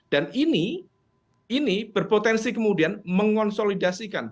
dan ini berpotensi kemudian mengonsolidasikan